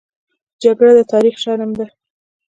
جګړه د تاریخ شرم ده